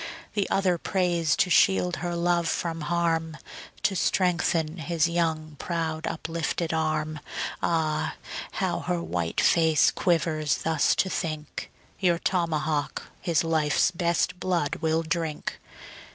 The other prays to shield her love from harm, To strengthen his young, proud uplifted arm. Ah, how her white face quivers thus to think, Your tomahawk his life's best blood will drink.